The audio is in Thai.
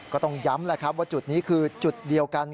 ก็ต้องย้ำแหละครับว่าจุดนี้คือจุดเดียวกัน